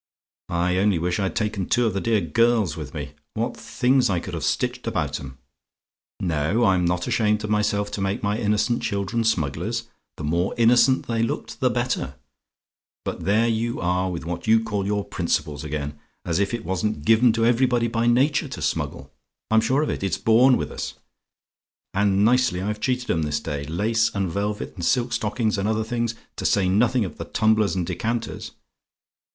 "I only wish I'd taken two of the dear girls with me. What things I could have stitched about 'em! No I'm not ashamed of myself to make my innocent children smugglers: the more innocent they looked, the better; but there you are with what you call your principles again; as if it wasn't given to everybody by nature to smuggle. I'm sure of it it's born with us. And nicely I've cheated 'em this day. Lace, and velvet, and silk stockings, and other things, to say nothing of the tumblers and decanters.